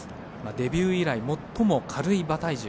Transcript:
デビュー以来、最も軽い馬体重。